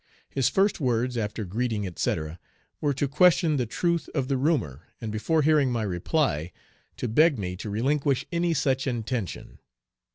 His first words, after greeting, etc., were to question the truth of the rumor, and before hearing my reply, to beg me to relinquish any such intention.